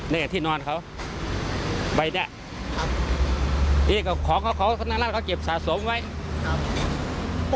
ในที่นอนเขาใบแด๊ะของเขาเขาเก็บสะสมไว้ครับ